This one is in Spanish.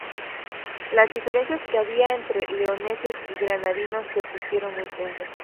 Las diferencias que había entre leoneses y granadinos se pusieron muy tensas.